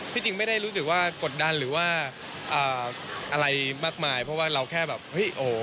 จริงไม่ได้รู้สึกว่ากดดันหรือว่าอะไรมากมายเพราะว่าเราแค่แบบเฮ้ยโอ้